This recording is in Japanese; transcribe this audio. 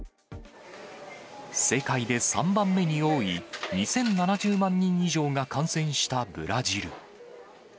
世界で３番目に多い２０７０万人以上が感染したブラジル。